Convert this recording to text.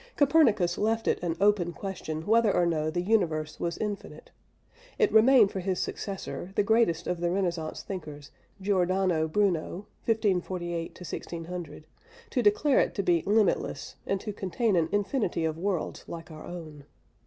Copernicus left it an open question whether or no the universe was infinite. It remained for his successor, the greatest of the Renaissance thinkers, Giordano Bruno (1548 1600) to declare it to be limitless, and to contain an infinity of worlds like our own.